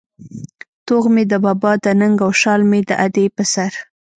توغ مې د بابا د ننگ او شال مې د ادې په سر